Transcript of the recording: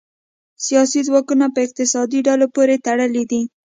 سیاسي ځواکونه په اقتصادي ډلو پورې تړلي دي